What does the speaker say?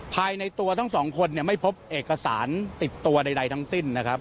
ภายในตัวทั้งสองคนเนี่ยไม่พบเอกสารติดตัวใดทั้งสิ้นนะครับ